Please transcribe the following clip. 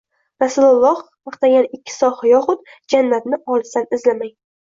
Rasululloh maqtagan ikki soha yoxud jannatni olisdan izlamang!